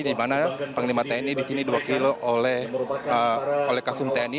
di mana panglima tni disini dua kg oleh kasum tni